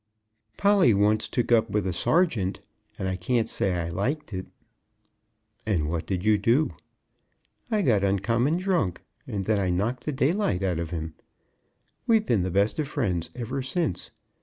"Polly once took up with a sergeant, and I can't say I liked it." "And what did you do?" "I got uncommon drunk, and then I knocked the daylight out of him. We've been the best of friends ever since.